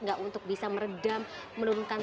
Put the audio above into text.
nggak untuk bisa meredam menurunkan